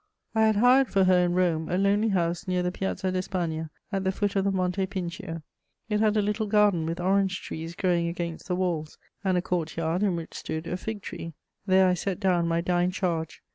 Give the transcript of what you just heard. I had hired for her in Rome a lonely house near the Piazza d'Espagna, at the foot of the Monte Pincio; it had a little garden with orange trees growing against the walls, and a court yard in which stood a fig tree. There I set down my dying charge.